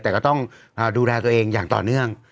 แต่ก็ต้องดูแลตัวเองอย่างต่อเนื่อง